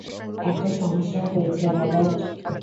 একটা সমস্যা হয়েছে, রবার্ট!